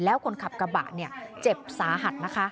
แล้วคนขับกระบะเนี่ยเจ็บสาหัสนะคะ